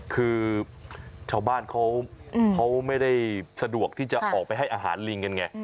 คือชาวบ้านเขาไม่ได้สะดวกที่จะออกไปให้อาหารลิงกันไง